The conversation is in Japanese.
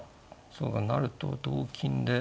そうか成ると同金で。